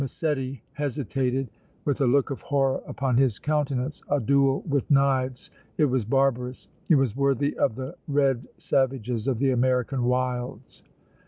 Massetti hesitated, with a look of horror upon his countenance. A duel with knives! It was barbarous! It was worthy of the red savages of the American wilds!